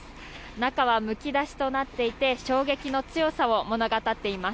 中はむき出しとなっていて衝撃の強さを物語っています。